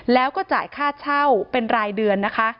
แล้วก็จ่ายค่าเช่าเป็นรายเดือนนะคะ